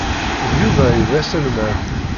D Yuba ay d aselmad.